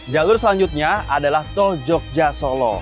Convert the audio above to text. jalur selanjutnya adalah tol jogja solo